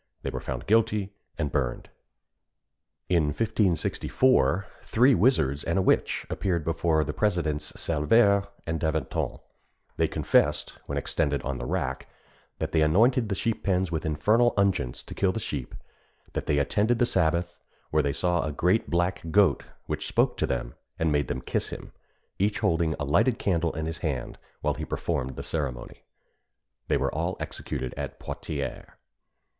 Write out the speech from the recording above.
They were found guilty, and burned. Bodin, p. 95 Garinet, p. 125; Anti demon de Serclier, p. 346. In 1564, three wizards and a witch appeared before the Presidents Salvert and D'Avanton: they confessed, when extended on the rack, that they anointed the sheep pens with infernal unguents to kill the sheep; that they attended the sabbath, where they saw a great black goat, which spoke to them, and made them kiss him, each holding a lighted candle in his hand while he performed the ceremony. They were all executed at Poitiers.